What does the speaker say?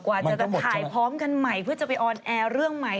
กว่าจะถ่ายพร้อมกันใหม่เพื่อจะไปออนแอร์เรื่องใหม่